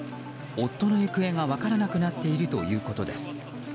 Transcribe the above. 夫の行方が分からなくなっているということです。